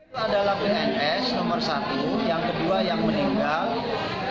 itu adalah pns nomor satu yang kedua yang meninggal